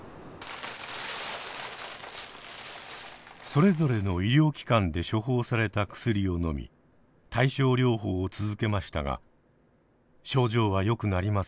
それぞれの医療機関で処方された薬をのみ対症療法を続けましたが症状はよくなりませんでした。